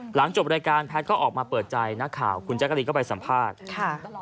หลังจบรายการแพทย์ก็ออกมาเปิดใจนักข่าวคุณแจ๊กกะรีนก็ไปสัมภาษณ์ค่ะ